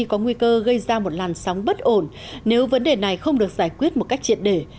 có nguy cơ gây ra một làn sóng bất ổn nếu vấn đề này không được giải quyết một cách triệt để